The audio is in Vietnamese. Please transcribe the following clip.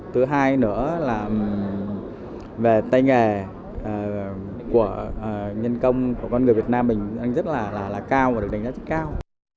thứ hai nữa là về tay nghề của nhân công của con người việt nam mình rất là cao và được đánh giá rất cao